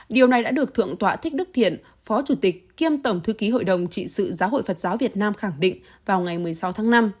điều này đã được thượng tọa thích đức thiện phó chủ tịch kiêm tổng thư ký hội đồng trị sự giáo hội phật giáo việt nam khẳng định vào ngày một mươi sáu tháng năm